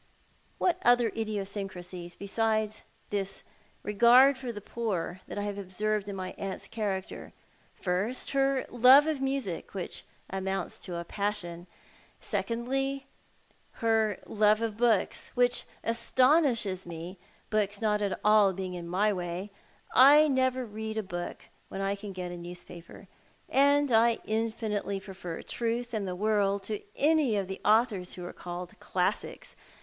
"What other idiosyncrasies besides this regard for the poor have I observed in my aunt's character ? First, her love of music, which amounts to a passion ; secondly, her love of books, which astonishes me, books not being at all in my way. I never read a bonk when I can get a newspaper ; and I infinitely prefer TV' th and the World to any of the authors who are called classics.